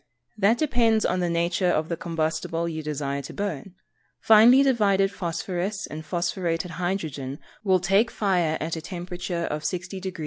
_ That depends upon the nature of the combustible you desire to burn. Finely divided phosphorous and phosphorated hydrogen will take fire at a temperature of 60 deg.